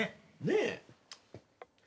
ねえ。